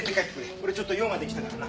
俺ちょっと用ができたからな。